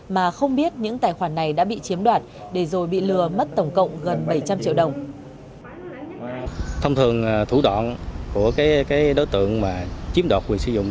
mà không biết những tài khoản này đã bị chiếm đoạt để rồi bị lừa mất tổng cộng gần bảy trăm linh triệu đồng